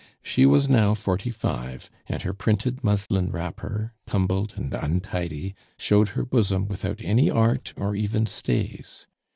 She was now forty five, and her printed muslin wrapper, tumbled and untidy, showed her bosom without any art or even stays!